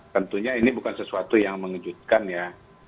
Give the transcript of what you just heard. tentunya ini bukan sesuatu yang mengejutkan ya